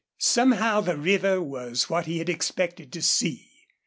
Somehow the river was what he had expected to see.